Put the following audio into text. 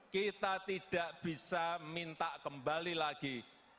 kita tidak bisa minta kembali lagi